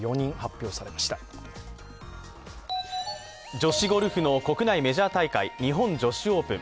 女子ゴルフの国内メジャー大会、日本女子オープン。